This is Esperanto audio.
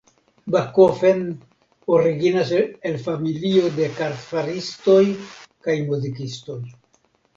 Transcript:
Backofen originas el familio de kartfaristoj kaj muzikistoj.